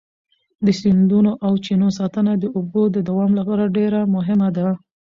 د سیندونو او چینو ساتنه د اوبو د دوام لپاره ډېره مهمه ده.